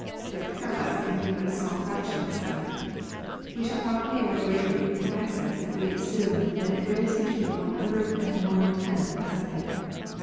Their parallax can be but a small fraction of a second. We shall probably err greatly in excess if we assume that it varies between one hundredth and one tenth of a second.